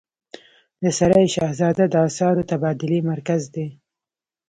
د سرای شهزاده د اسعارو تبادلې مرکز دی